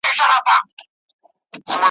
توري اور یځي پر اسمان ولي باران نه راځي